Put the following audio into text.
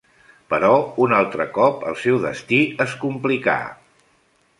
Però un altre cop el seu destí es complicà.